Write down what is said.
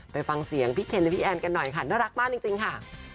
ไปฟังเสียงพี่เคนและพี่แอนกันหน่อยค่ะน่ารักมากจริงค่ะ